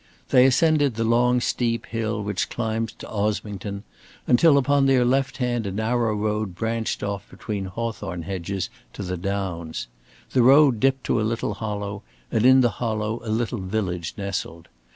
They ascended the long steep hill which climbs to Osmington, until upon their left hand a narrow road branched off between hawthorn hedges to the downs. The road dipped to a little hollow and in the hollow a little village nestled.